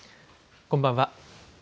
こんばんは。